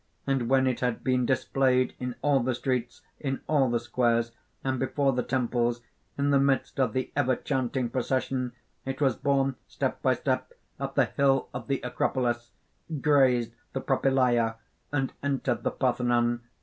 And when it had been displayed in all the streets, in all the squares, and before the temples, in the midst of the ever chanting procession, it was borne step by step up the hill of the Acropolis, grazed the Propylæa, and entered the Parthenon....